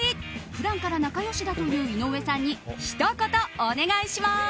普段から仲良しだという井上さんに、ひと言お願いします。